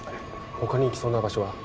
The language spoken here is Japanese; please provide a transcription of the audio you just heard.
他に行きそうな場所は？